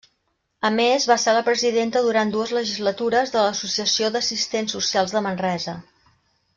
A més, va ser la presidenta, durant dues legislatures, de l'Associació d'Assistents Socials de Manresa.